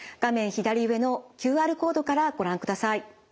左上のＱＲコードからご覧ください。